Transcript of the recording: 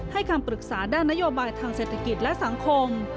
คำปรึกษาด้านนโยบายทางเศรษฐกิจและสังคม